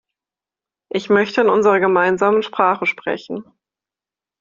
Ich möchte in unserer gemeinsamen Sprache sprechen.